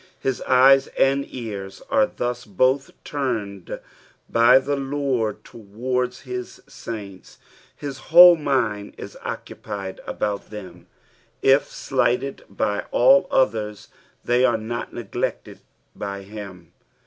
His eyes and ears are thus both turned by the Lord towards his saints ; his whole mind is occupied about them ; if slighted by all others they are not neglected by him.